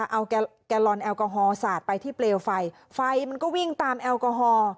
เอาแกลลอนแอลกอฮอลสาดไปที่เปลวไฟไฟมันก็วิ่งตามแอลกอฮอล์